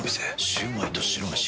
シュウマイと白めし。